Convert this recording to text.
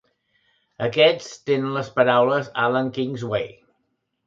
Aquests tenen les paraules Allan Kings Way.